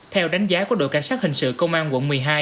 theo đánh giá của đội cảnh sát hình sự công an quận một mươi hai